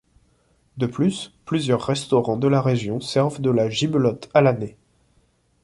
De plus, plusieurs restaurants de la région servent de la gibelotte à l'année.